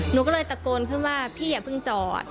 หนูก็เลยตะโกนขึ้นว่าพี่อย่าเพิ่งจอด